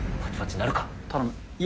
頼む。